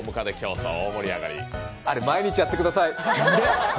あれ、毎日やってください。